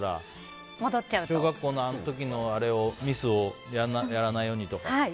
小学校のあの時のミスをやらないようにとか。